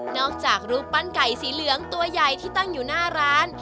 จากรูปปั้นไก่สีเหลืองตัวใหญ่ที่ตั้งอยู่หน้าร้าน